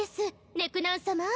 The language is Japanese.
ネクナン様。